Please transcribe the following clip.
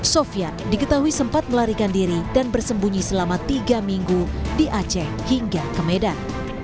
sofian diketahui sempat melarikan diri dan bersembunyi selama tiga minggu di aceh hingga ke medan